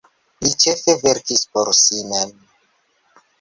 Li ĉefe verkis por si mem.